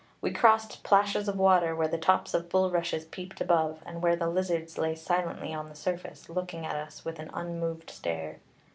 We crossed plashes of water where the tops of bulrushes peeped above, and where the lizards lay silently on the surface, looking at us with an unmoved stare.